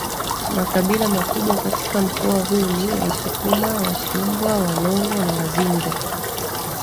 Makabila makubwa katika mkoa huu ni Wasukuma Wasumbwa Walongo na Wazinza